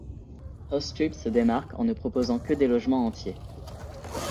Housetrip se démarque en ne proposant que des logements entiers.